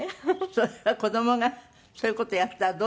それは子供がそういう事やったらどうします？